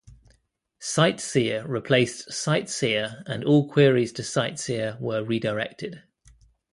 CiteSeer replaced CiteSeer and all queries to CiteSeer were redirected.